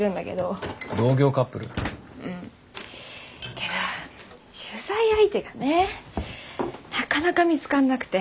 けど取材相手がねなかなか見つかんなくて。